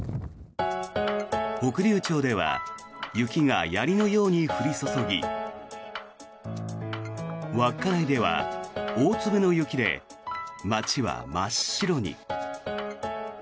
北竜町では雪がやりのように降り注ぎ稚内では大粒の雪で街は真っ白に。